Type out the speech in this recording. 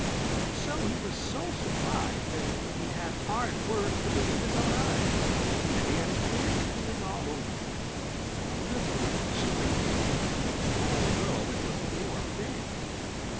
And so he was so surprised that he had hard work to believe his own eyes, and he had a queer feeling all over, a little chilly feeling, although it was a warm day.